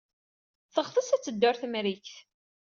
Teɣtes ad teddu ɣer Temrikt.